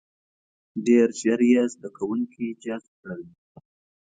• ډېر ژر یې زده کوونکي جذب کړل.